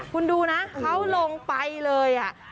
คุณดูนะเขาลงไปเลย